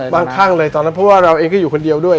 ข้างเลยตอนนั้นเพราะว่าเราเองก็อยู่คนเดียวด้วย